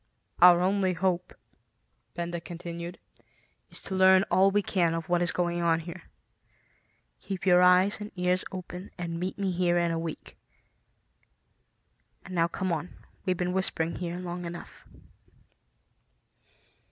"Our only hope," Benda continued, "is to learn all we can of what is going on here. Keep your eyes and ears open and meet me here in a week. And now come on; we've been whispering here long enough."